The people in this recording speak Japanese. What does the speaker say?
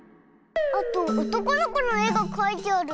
あとおとこのこのえがかいてある。